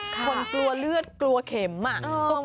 คนกลัวเลือดกลัวเข็มอ่ะ